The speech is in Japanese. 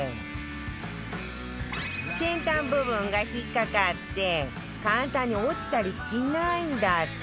先端部分が引っかかって簡単に落ちたりしないんだって